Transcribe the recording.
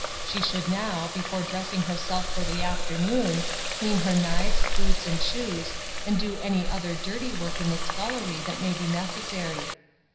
She should now, before dressing herself for the afternoon, clean her knives, boots, and shoes, and do any other dirty work in the scullery that may be necessary.